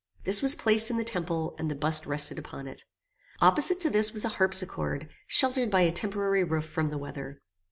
This was placed in the temple, and the bust rested upon it. Opposite to this was a harpsichord, sheltered by a temporary roof from the weather.